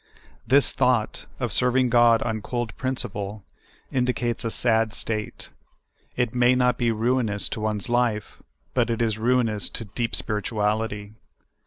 This thought of serving God on cold principle in dicates a sad state : it may not be ruinous to one's life, but it is ruinous to deep spirituality.